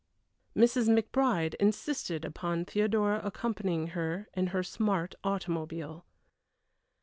Mrs. McBride insisted upon Theodora accompanying her in her smart automobile.